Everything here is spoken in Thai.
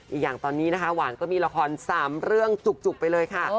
อีกอย่างตอนนี้นะคะหวานก็มีละคร๓เรื่องจุกไปเลยค่ะ